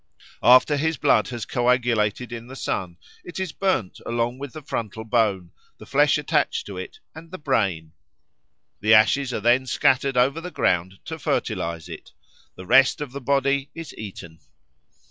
After his blood has coagulated in the sun, it is burned along with the frontal bone, the flesh attached to it, and the brain; the ashes are then scattered over the ground to fertilise it. The rest of the body is eaten.